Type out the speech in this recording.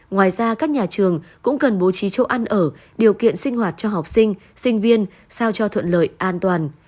ngoài ra các nhà trường cũng cần bố trí chỗ ăn ở điều kiện sinh hoạt cho học sinh sinh viên sao cho thuận lợi an toàn